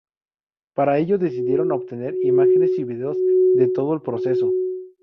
Para ello decidieron obtener imágenes y vídeos de todo el proceso.